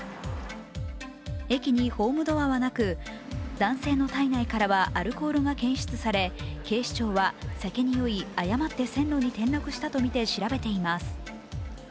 駅にホームドアはなく男性の体内からはアルコールが検出され警視庁は、酒に酔い、誤って線路に転落したとみて調べています。